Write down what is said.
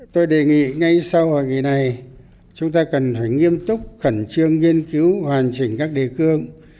tôi đề nghị ngay sau hội nghị này chúng ta cần phải nghiêm túc khẩn trương nghiên cứu hoàn chỉnh các đề cương